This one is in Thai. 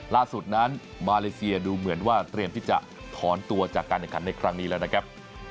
ล่าสุดนั้นมาเลเซียดูเหมือนว่าเตรียมที่จะถอนตัวจากการแข่งขันในครั้งนี้แล้วนะครับ